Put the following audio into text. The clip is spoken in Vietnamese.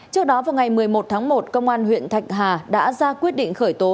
trước đó vào ngày một mươi một tháng một công an huyện thạch hà đã ra quyết định khởi tố